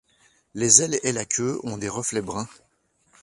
Les ailes et la queue on des reflets brun.